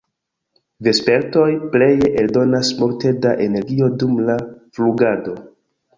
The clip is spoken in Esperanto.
Vespertoj pleje eldonas multe da energio dum la flugado.